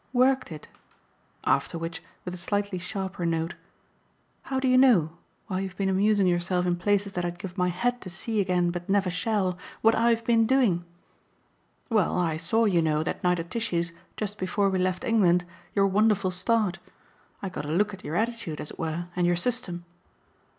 "'Worked it'?" After which, with a slightly sharper note: "How do you know while you've been amusing yourself in places that I'd give my head to see again but never shall what I've been doing?" "Well, I saw, you know, that night at Tishy's, just before we left England, your wonderful start. I got a look at your attitude, as it were, and your system."